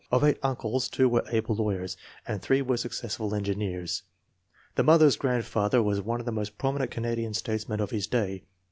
Of eight uncles, two were able lawyers, and three were successful engineers. The mother's grandfather was one of the most prominent Canadian statesmen of his day.